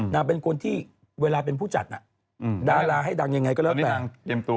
นางเป็นคนที่เวลาเป็นผู้จัดดาราให้ดังยังไงก็แล้วแต่